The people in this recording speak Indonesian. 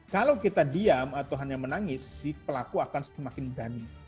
kalau kita diam atau hanya menangis si pelaku akan semakin berani